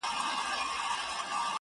مرغلري په ګرېوان او په لمن کي،